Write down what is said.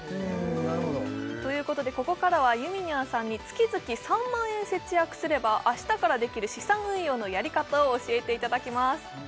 なるほどということでここからはゆみにゃんさんに月々３万円節約すれば明日からできる資産運用のやり方を教えていただきます